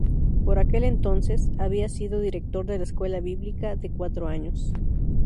Por aquel entonces había sido director de la Escuela Bíblica de cuatro años.